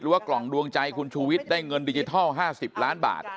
ว่ากล่องดวงใจคุณชูวิทย์ได้เงินดิจิทัล๕๐ล้านบาท